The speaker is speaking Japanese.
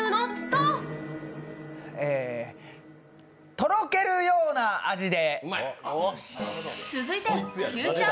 とろけるような味で。